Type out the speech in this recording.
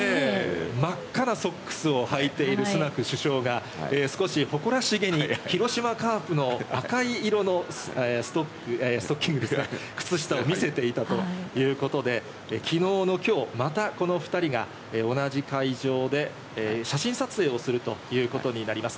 真っ赤なソックスをはいているスナク首相が少し誇らしげに広島カープの赤色のストッキングですか、靴下を見せていたということで、きのうのきょう、またこの２人が同じ会場で写真撮影をするということになります。